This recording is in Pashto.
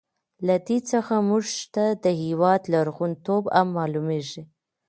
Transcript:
له دې څخه موږ ته د هېواد لرغون توب هم معلوميږي.